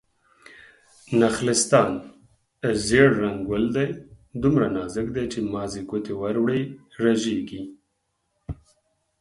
نخلستان: زيړ رنګه ګل دی، دومره نازک دی چې مازې ګوتې ور وړې رژيږي